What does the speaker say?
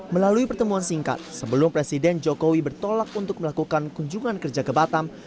melalui pertemuan singkat sebelum presiden jokowi bertolak untuk melakukan kunjungan kerja ke batam